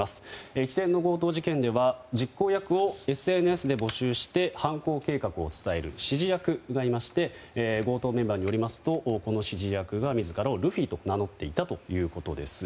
一連の強盗事件では実行役をＳＮＳで募集して犯行計画を伝える指示役がいまして強盗メンバーによりますとこの指示役が自らをルフィと名乗っていたということです。